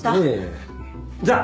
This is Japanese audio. じゃあ。